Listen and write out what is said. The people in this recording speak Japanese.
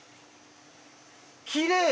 きれい！